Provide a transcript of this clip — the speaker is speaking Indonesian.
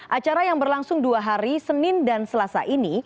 acara yang berlangsung dua hari senin dan selasa ini